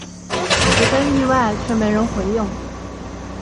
十分意外却没人回应